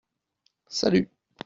Salut !